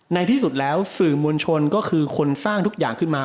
ในที่สุดแล้วสื่อมวลชนก็คือคนสร้างทุกอย่างขึ้นมา